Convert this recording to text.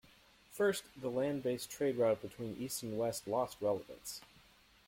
First, the land based trade route between east and west lost relevance.